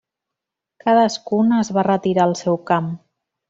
Cadascun es va retirar al seu camp.